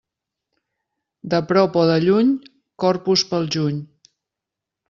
De prop o de lluny, Corpus pel juny.